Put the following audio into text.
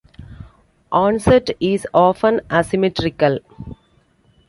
Onset is often asymmetrical.